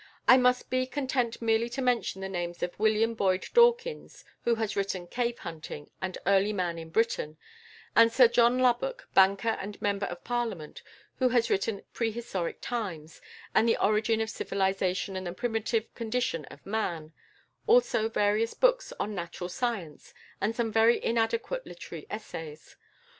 I must be content merely to mention the names of William Boyd Dawkins, who has written "Cave hunting" and "Early Man in Britain;" and Sir John Lubbock, banker and member of Parliament, who has written "Pre historic Times" and "The Origin of Civilization and the Primitive Condition of Man," also various books on natural science, and some very inadequate literary essays.